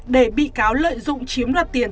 để bị cáo lợi dụng chiếm đoạt tiền